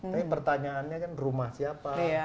tapi pertanyaannya kan rumah siapa